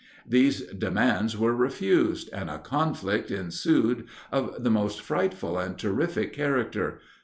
These demands were refused, and a conflict ensued of the most frightful and terrific character.